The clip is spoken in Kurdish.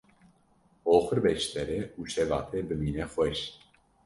Oxir be ji te re û şeva te bimîne xweş.